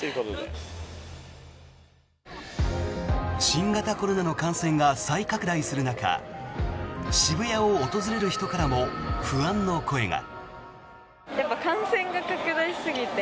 新型コロナの感染が再拡大する中渋谷を訪れる人からも不安の声が。